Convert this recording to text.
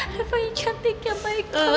reva yang cantik ya